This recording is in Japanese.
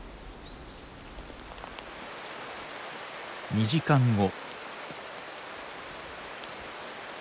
２時間後。